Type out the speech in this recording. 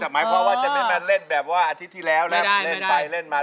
อ๋อแต่หมายความว่าจะได้มาแบบว่าอาทิตย์ที่แล้วนะไม่ได้ไม่ได้ไปเล่นมา